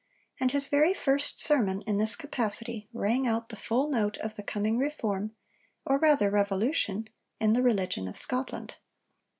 And his very first sermon in this capacity rang out the full note of the coming reform or rather revolution in the religion of Scotland.